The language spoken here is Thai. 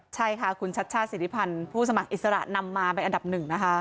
ใช่ค่ะคุณชัชชาติสิทธิพันธ์ผู้สมัครอิสระนำมาเป็นอันดับหนึ่งนะคะ